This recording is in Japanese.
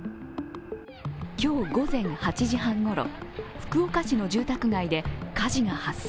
今日午前８時半ごろ、福岡市の住宅街で火事が発生。